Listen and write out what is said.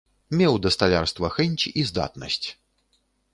Меў да сталярства хэнць і здатнасць.